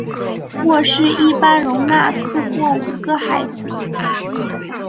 卧室一般容纳四或五个孩子。